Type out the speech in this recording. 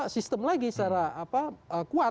sistem lagi secara kuat